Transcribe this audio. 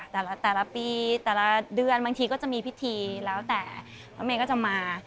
แต่ละปีแต่ละเดือนบางทีก็จะมีพิธีแล้วแต่พระเมย์ก็จะมา